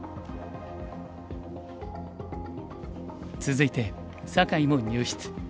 続いて酒井も入室。